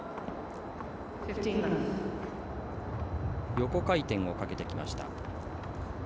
横回転をかけてきました。